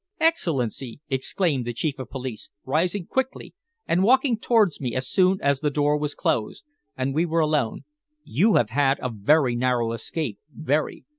"Excellency!" exclaimed the Chief of Police, rising quickly and walking towards me as soon as the door was closed, and we were alone, "you have had a very narrow escape very.